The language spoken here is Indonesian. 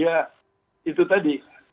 ya itu tadi